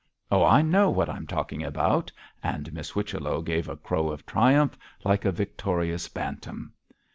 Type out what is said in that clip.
Oh, I know what I'm talking about,' and Miss Whichello gave a crow of triumph, like a victorious bantam.